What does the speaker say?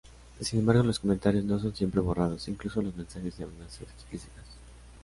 Sin embargo los comentarios no son siempre borrados, incluso los mensajes de amenazas explícitas.